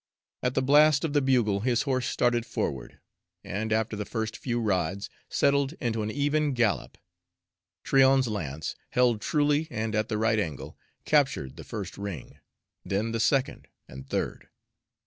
At the blast of the bugle his horse started forward, and, after the first few rods, settled into an even gallop. Tryon's lance, held truly and at the right angle, captured the first ring, then the second and third.